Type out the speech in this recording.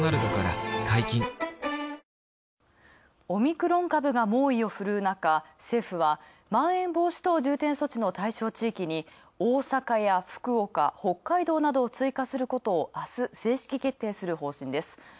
オミクロン株が猛威を振るうなか、政府はまん延防止等重点措置の対象地域に、大阪や福岡、北海道などを追加することをあす正式決定する方針です。